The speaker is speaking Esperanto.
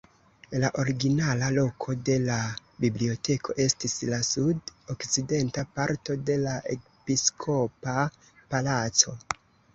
La originala loko de la biblioteko estis la sud-okcidenta parto de la episkopa palaco.